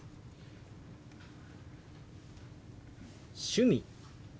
「趣味」。